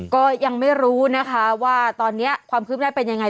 ก็ยังไม่รู้นะคะว่าตอนนี้ความคืบหน้าเป็นยังไง